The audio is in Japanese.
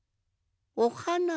おはな